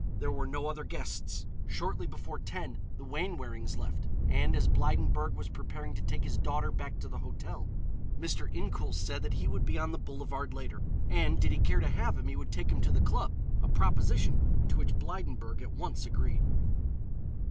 There were no other guests. Shortly before ten the Wainwarings left, and as Blydenburg was preparing to take his daughter back to the hotel, Mr. Incoul said that he would be on the boulevard later, and did he care to have him he would take him to the club, a proposition to which Blydenburg at once agreed.